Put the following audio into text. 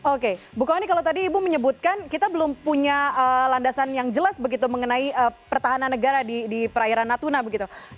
oke bu kony kalau tadi ibu menyebutkan kita belum punya landasan yang jelas begitu mengenai pertahanan negara di perairan natuna begitu